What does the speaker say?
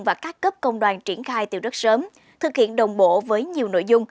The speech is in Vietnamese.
và các cấp công đoàn triển khai từ rất sớm thực hiện đồng bộ với nhiều nội dung